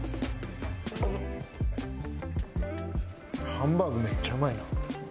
ハンバーグめっちゃうまいな。